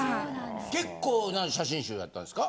結構な写真集やったんですか？